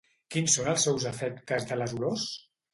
Quins són els efectes de les olors?